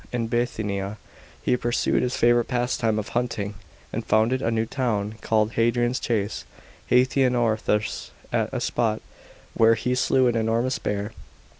In Bithynia he pursued his favourite pastime of hunting, and founded a new town called " Hadrian's Chase" (Hadrianotherse), at a spot where he slew an enormous bear.